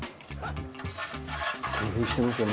「工夫してますよね」